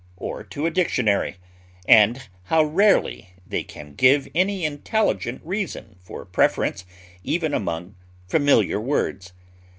or to a dictionary, and how rarely they can give any intelligent reason for preference even among familiar words.